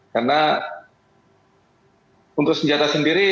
karena untuk senjata sendiri